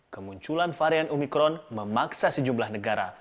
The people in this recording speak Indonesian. kemunculan varian omikron memaksa sejumlah negara